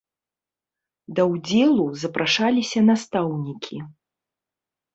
Да ўдзелу запрашаліся настаўнікі.